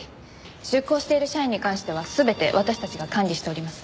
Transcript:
出向している社員に関しては全て私たちが管理しております。